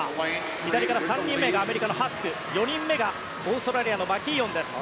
左から３人目がアメリカのハスク４人目がオーストラリアのマキーオンです。